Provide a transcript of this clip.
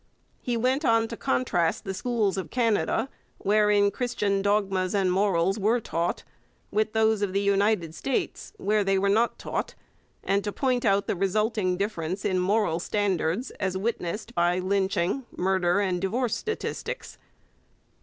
He went on to contrast the schools of Canada, wherein Christian dogmas and morals were taught, with those of the United States, where they were not taught, and to point out the resulting difference in moral standards as witnessed by lynching, murder, and divorce statistics.